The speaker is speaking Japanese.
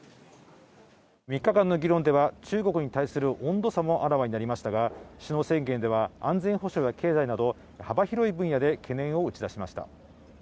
３日間の議論では注目に対する温度差もあらわになりましたが、首脳宣言では、安全保障、経済など、さまざまな分野で懸念を打ち出しました。